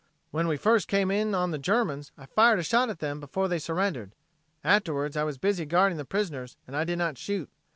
When we first came in on the Germans, I fired a shot at them before they surrendered. Afterwards I was busy guarding the prisoners and did not shoot.